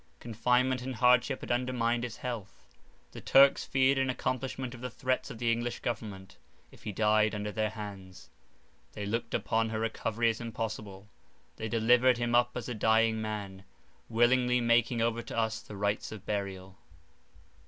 Confinement and hardship had undermined his health; the Turks feared an accomplishment of the threats of the English government, if he died under their hands; they looked upon his recovery as impossible; they delivered him up as a dying man, willingly making over to us the rites of burial.